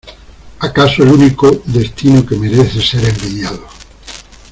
¡ acaso el único destino que merece ser envidiado!